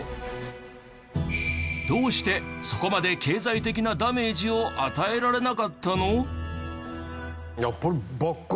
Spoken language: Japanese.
どうしてそこまで経済的なダメージを与えられなかったの？